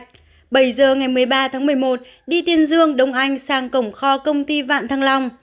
bảy giờ ngày một mươi ba tháng một mươi một đi tiên dương đông anh sang cổng kho công ty vạn thăng long